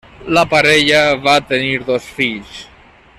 La parella va tenir dos fills.